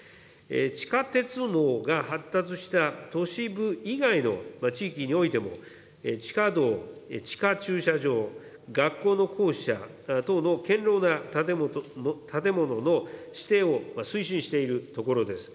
地下鉄網が発達した都市部以外の地域においても、地下道、地下駐車場、学校の校舎等の堅牢な建物の指定を推進しているところです。